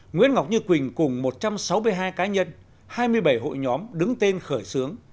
nguyễn ngọc như quỳnh cùng một trăm sáu mươi hai cá nhân hai mươi bảy hội nhóm đứng tên khởi xướng